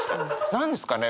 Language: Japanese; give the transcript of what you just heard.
何ですかね？